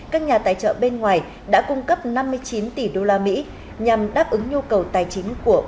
các nhà tài trợ bên ngoài đã cung cấp năm mươi chín tỷ usd nhằm đáp ứng nhu cầu tài chính của